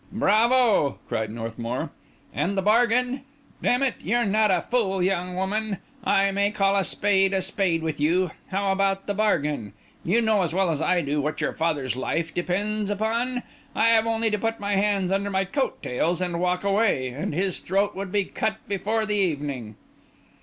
"Bravo!" cried Northmour. "And the bargain? D—n it, you're not a fool, young woman; I may call a spade a spade with you. How about the bargain? You know as well as I do what your father's life depends upon. I have only to put my hands under my coat tails and walk away, and his throat would he cut before the evening."